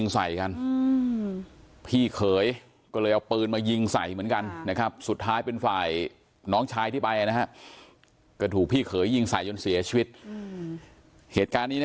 ใสเหมือนกันนะครับสุดท้ายเป็นฝ่ายน้องชายที่ไปนะครับก็ถูกพี่เกยิงสายด้วยเสียชวิตเหตุการณ์นี้นะ